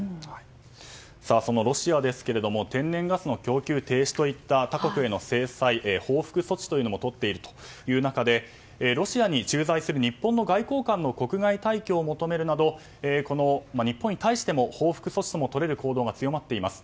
そのロシアですが天然ガスの供給停止といった他国への制裁報復措置というのもとっているという中でロシアに駐在する日本の外交官の国外退去を求めるなど日本に対しても法風措置ともとれる行動が強まっています。